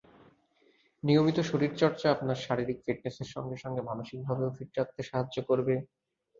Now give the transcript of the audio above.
নিয়মিত শরীরচর্চা আপনার শারীরিক ফিটনেসের সঙ্গে সঙ্গে মানসিকভাবেও ফিট রাখতে সাহায্য করবে।